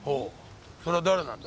それは誰なんだ？